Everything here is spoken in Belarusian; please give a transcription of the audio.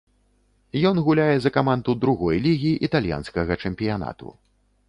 Ён гуляе за каманду другой лігі італьянскага чэмпіянату.